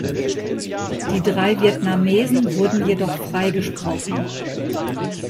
Die drei Vietnamesen wurden jedoch freigesprochen.